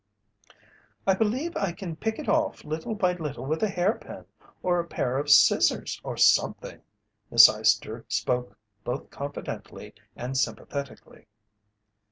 "I believe I can pick it off little by little with a hairpin or a pair of scissors or something." Miss Eyester spoke both confidently and sympathetically.